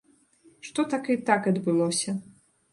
Што так і так адбылося.